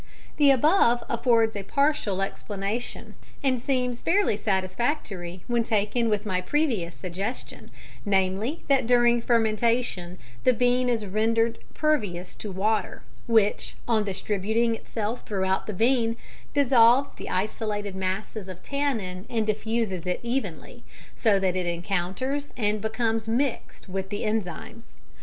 The above affords a partial explanation, and seems fairly satisfactory when taken with my previous suggestion, namely, that during fermentation the bean is rendered pervious to water, which, on distributing itself throughout the bean, dissolves the isolated masses of tannin and diffuses it evenly, so that it encounters and becomes mixed with the enzymes.